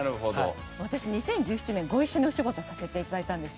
私２０１７年ご一緒にお仕事させて頂いたんですよ。